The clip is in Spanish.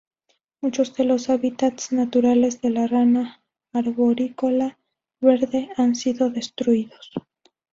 Muchos de los hábitats naturales de la rana arborícola verde han sido destruidos.